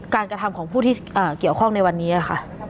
กระทำของผู้ที่เกี่ยวข้องในวันนี้ค่ะ